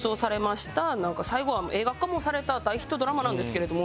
なんか最後は映画化もされた大ヒットドラマなんですけれども。